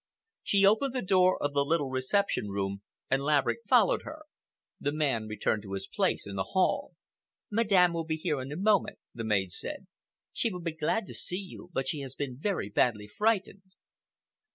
She opened the door of the little reception room, and Laverick followed her. The man returned to his place in the hall. "Madame will be here in a moment," the maid said. "She will be glad to see you, but she has been very badly frightened."